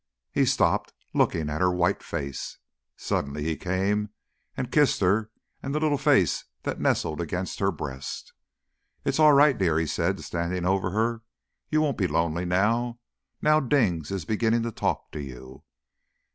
He stopped, looking at her white face. Suddenly he came and kissed her and the little face that nestled against her breast. "It's all right, dear," he said, standing over her; "you won't be lonely now now Dings is beginning to talk to you.